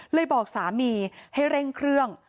บอกสามีให้เร่งเครื่อง